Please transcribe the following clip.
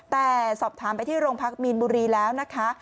แต่สอบถามไปที่โรงพักมีนบุรีแล้วนะคะ